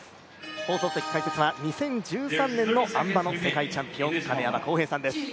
放送席解説は、２０１３年のあん馬の世界チャンピオン亀山耕平さんです。